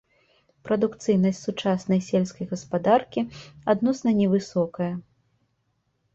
Прадукцыйнасць сучаснай сельскай гаспадаркі адносна невысокая.